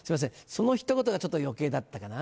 そのひと言がちょっと余計だったかな。